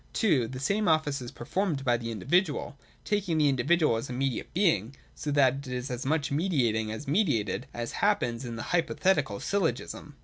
(2) The same office is per formed by the Individual, taking the individual as immediate being, so that it is as much mediating as mediated :— as happens in the Hypothetical syllogism.